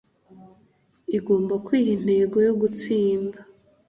Igomba kwiha intego yo gutsinda.